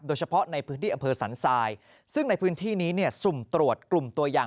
โดยเฉพาะในพื้นที่อำเภอสันทรายซึ่งในพื้นที่นี้เนี่ยสุ่มตรวจกลุ่มตัวอย่าง